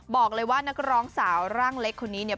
บอกเลยว่านักร้องสาวร่างเล็กคนนี้เนี่ย